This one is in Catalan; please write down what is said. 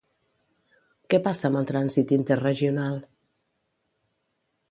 Què passa amb el trànsit interregional?